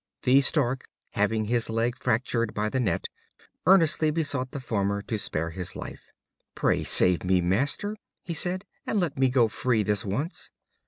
The Stork, having his leg fractured by the net, earnestly besought the Farmer to spare his life. "Pray, save me, Master," he said, "and let me go free this once.